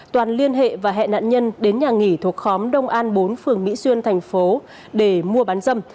toàn liên hệ và hẹn nạn nhân đến nhà nghỉ thuộc khóm đông an bốn phường mỹ xuyên thành phố để mua bán dâm